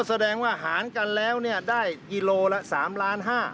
ก็แสดงว่าหารกันแล้วได้กิโลกรัมละ๓๕๐๐๐๐๐